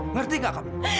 ngerti gak kamu